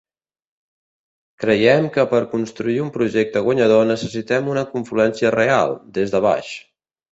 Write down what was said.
Creiem que per construir un projecte guanyador necessitem una confluència real, des de baix.